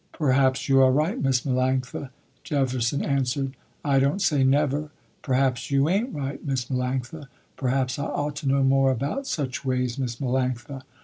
"Perhaps you are right Miss Melanctha," Jefferson answered. "I don't say never, perhaps you ain't right Miss Melanctha. Perhaps I ought to know more about such ways Miss Melanctha.